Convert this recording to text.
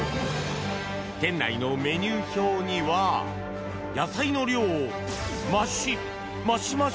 店内のメニュー表には野菜の量、マシ？